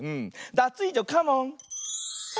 ダツイージョカモン！